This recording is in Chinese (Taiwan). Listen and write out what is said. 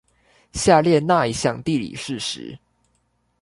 下列那一項地理事實